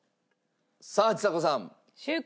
さあちさ子さん。